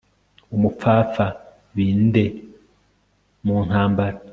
umupfapfa bindeh! mu ntambara